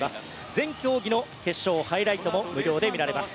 全競技の決勝ハイライトも無料で見られます。